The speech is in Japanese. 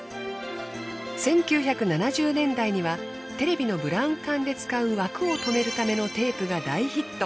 １９７０年代にはテレビのブラウン管で使う枠をとめるためのテープが大ヒット。